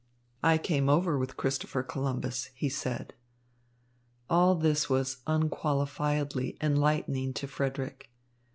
"I came over with Christopher Columbus," he said. All this was unqualifiedly enlightening to Frederick.